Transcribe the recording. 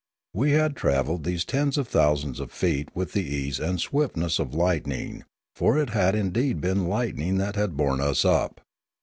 We had travelled these tens of thousands of feet with the ease and swiftness of lightning; for it had indeed been the lightning that had borne us up.